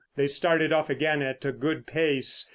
They started off again at a good pace.